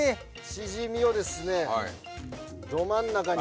シジミをですねど真ん中に。